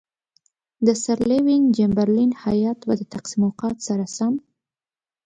د سر لیوین چمبرلین هیات به د تقسیم اوقات سره سم.